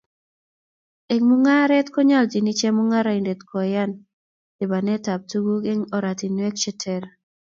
Eng mungaret konyoljin chemungaraindet kooyan lipanetab tuguk eng ortinwek che ter